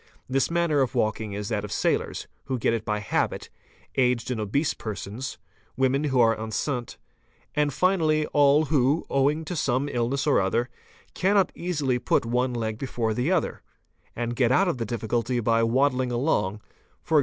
This manner of walking is that of sailors, who get it by habit, aged and obese persons, woman who are enceinte, and finally all who, owing to some illness or other, cannot easily put one leg before the other, and get out of the difficulty by waddling along, e.g.